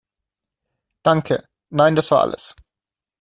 Danke, nein das war alles.